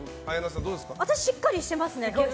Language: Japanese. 私、しっかりしてますね。